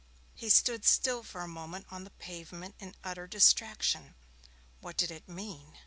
He stood still for a moment on the pavement in utter distraction. What did it mean?